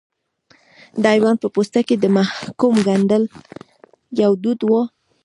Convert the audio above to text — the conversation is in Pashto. د حیوان په پوستکي کې د محکوم ګنډل یو دود و.